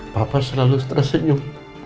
bapak selalu tersenyum